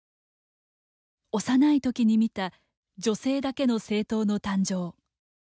幼いときに見た女性だけの政党の誕生。